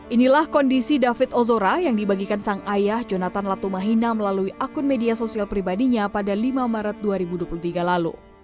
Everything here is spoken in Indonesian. inilah kondisi david ozora yang dibagikan sang ayah jonathan latumahina melalui akun media sosial pribadinya pada lima maret dua ribu dua puluh tiga lalu